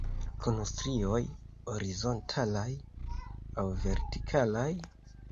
Kun strioj horizontalaj aŭ vertikalaj?